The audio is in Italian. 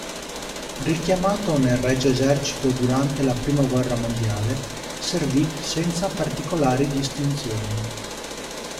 Richiamato nel Regio Esercito durante la prima guerra mondiale, servì senza particolari distinzioni.